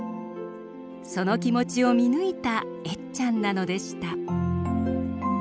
その気持ちを見抜いたエッちゃんなのでした。